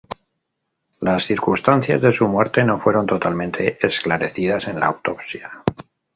Las circunstancias de su muerte no fueron totalmente esclarecidas en la autopsia.